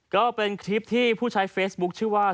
ก็เป็นคลิปที่ผู้ใช้เฟซบุ๊คชื่อว่า